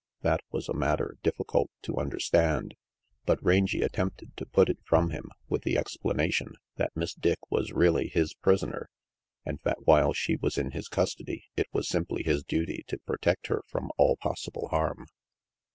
That was a matter difficult to understand, but Rangy attempted to put it from him with the explanation that Miss Dick was really his prisoner and that while she was in his custody it was simply his duty to protect her from all possible harm.